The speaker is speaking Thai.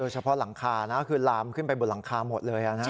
เฉพาะหลังคานะคือลามขึ้นไปบนหลังคาหมดเลยนะ